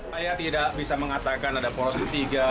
saya tidak bisa mengatakan ada poros ketiga